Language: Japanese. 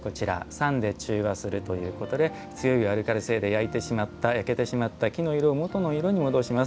「酸で中和する」ということで強いアルカリ性で焼けてしまった木の色を元の色に戻します。